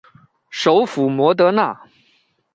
首府摩德纳。